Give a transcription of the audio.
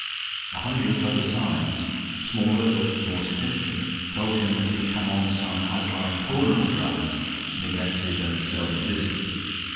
A hundred other signs, smaller but more significant, told him that he had come on some outlying corner of the grounds neglected and seldom visited.